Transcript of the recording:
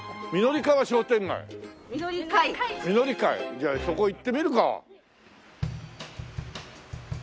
じゃあそこ行ってみるか。